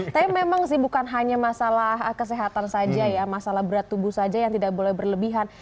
tapi memang sih bukan hanya masalah kesehatan saja ya masalah berat tubuh saja yang tidak boleh berlebihan